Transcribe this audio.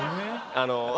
あの。